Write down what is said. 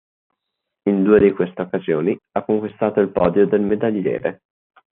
In due di queste occasioni, ha conquistato il podio del medagliere.